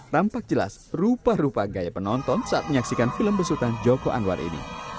tampak jelas rupa rupa gaya penonton saat menyaksikan film besutan joko anwar ini